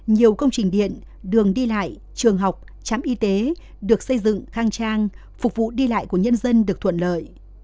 nhiều công trình điện đường đi lại trường học trạm y tế được xây dựng khang trang phục vụ đi lại của nhân dân được thuận lợi